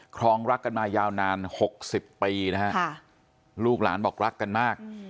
รองรักกันมายาวนานหกสิบปีนะฮะลูกหลานบอกรักกันมาก